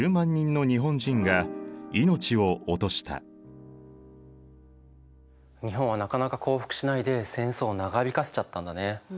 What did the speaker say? この戦争で日本はなかなか降伏しないで戦争を長引かせちゃったんだね。